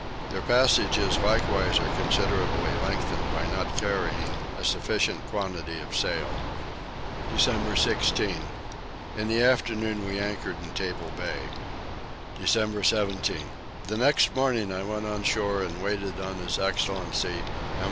Their passages likewise are considerably lengthened by not carrying a sufficient quantity of sail. December 16. In the afternoon we anchored in Table Bay. December 17. The next morning I went on shore and waited on his excellency M.